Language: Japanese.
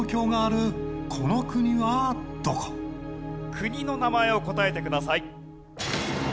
国の名前を答えてください。